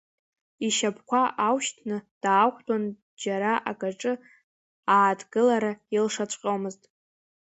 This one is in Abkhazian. Ишьапқәа аушьҭны даақәтәон, џьара акаҿы ааҭгылара илшаҵәҟьомызт.